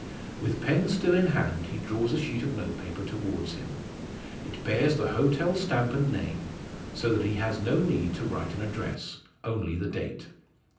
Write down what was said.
With pen still in hand, he draws a sheet of notepaper towards him. It bears the hotel stamp and name, so that he has no need to write an address only the date.